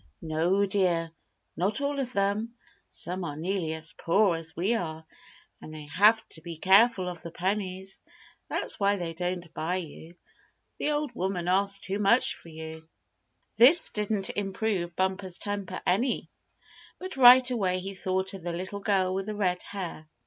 "No, dear, not all of them. Some are nearly as poor as we are, and they have to be careful of the pennies. That's why they don't buy you. The old woman asks too much for you." This didn't improve Bumper's temper any; but right away he thought of the little girl with the red hair.